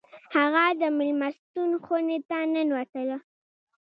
هغه د میلمستون خونې ته ننوتله